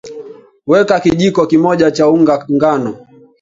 weka kijiko kimoja cha unga ngano